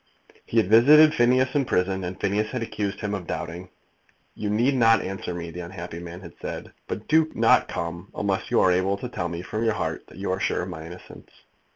He had visited Phineas in prison, and Phineas had accused him of doubting. "You need not answer me," the unhappy man had said, "but do not come unless you are able to tell me from your heart that you are sure of my innocence.